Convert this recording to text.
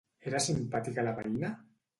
Era simpàtica la veïna?